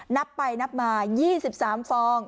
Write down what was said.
นับไปนับมา๒๓ฟอง